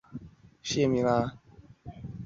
用稻草盖著